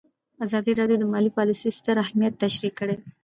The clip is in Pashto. ازادي راډیو د مالي پالیسي ستر اهميت تشریح کړی.